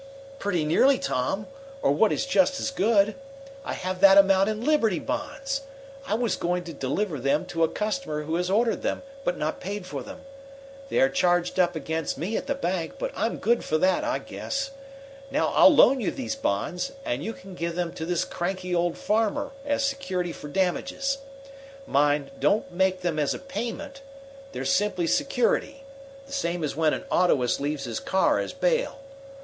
"Pretty nearly, Tom, or what is just as good. I have that amount in Liberty Bonds. I was going to deliver them to a customer who has ordered them but not paid for them. They are charged up against me at the bank, but I'm good for that, I guess. Now I'll loan you these bonds, and you can give them to this cranky old farmer as security for damages. Mind, don't make them as a payment. They're simply security the same as when an autoist leaves his car as bail.